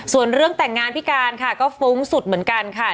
ส่วนเรื่องแต่งงานพี่การค่ะก็ฟุ้งสุดเหมือนกันค่ะ